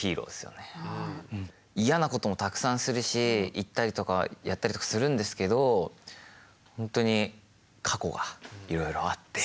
嫌なこともたくさんするし言ったりとかやったりとかするんですけどほんとに過去がいろいろあって。